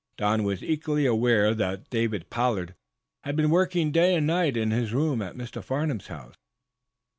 Don was equally well aware that David Pollard had been working day and night in his room at Mr. Farnum's house.